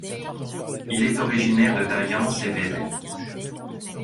Il est originaire de Daillens et Vevey.